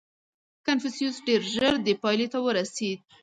• کنفوسیوس ډېر ژر دې پایلې ته ورسېد.